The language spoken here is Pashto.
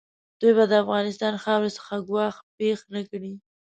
دوی به د افغانستان خاورې څخه ګواښ پېښ نه کړي.